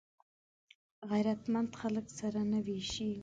غیرتمند خلک سره نه وېشي